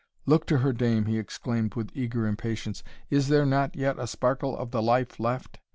Look to her, dame," he exclaimed, with eager impatience; "is there not yet a sparkle of the life left?